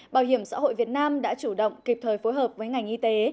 bảo hiểm xã hội việt nam đã chủ động kịp thời phối hợp với ngành y tế